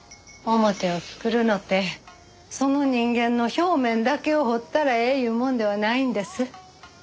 面を作るのってその人間の表面だけを彫ったらええいうもんではないんです。